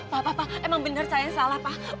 pak pak pak emang benar saya yang salah pak